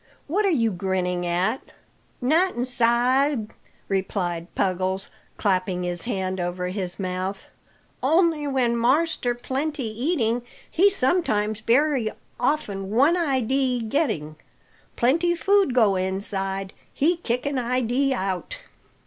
What are you grinning at?" "Nutting, sa'b," replied Puggles, clapping his hand over his mouth; "only when marster plenty eating, he sometimes bery often one idee getting. Plenty food go inside, he kicking idee out!"